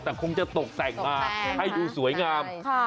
แต่คงจะตกแต่งมาให้ดูสวยงาม